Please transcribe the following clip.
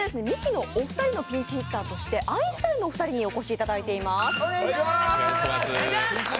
ミキのお二人のピンチヒッターとしてアインシュタインのお二人にお越しいただいています。